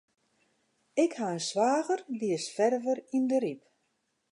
Ik ha in swager, dy is ferver yn de Ryp.